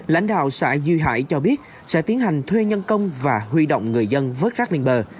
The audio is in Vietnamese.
lãnh đạo xã duy hải cho biết sẽ tiến hành thuê nhân công và huy động người dân vớt rác lên bờ